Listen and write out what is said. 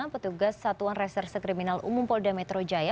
petugas satuan reserse kriminal umum polda metro jaya